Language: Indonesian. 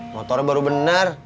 motornya baru bener